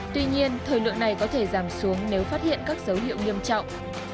tuy nhiên thời lượng này có thể giảm xuống nếu phát hiện các dấu hiệu nghiêm trọng